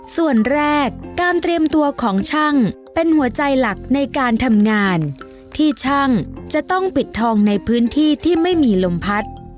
ส่วนแรกการเตรียมตัวของช่างเป็นหัวใจหลักในการทำงานที่ช่างจะต้องปิดทองในพื้นที่ที่ไม่มีลมพัด